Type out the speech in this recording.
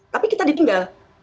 tapi kita ditinggal